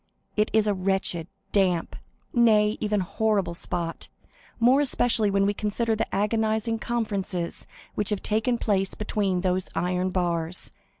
It is a wretched, damp, nay, even horrible spot, more especially when we consider the agonizing conferences which have taken place between those iron bars.